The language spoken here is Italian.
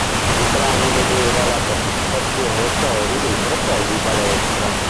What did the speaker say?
Il brano vedeva la partecipazione ai cori dei Fratelli Balestra..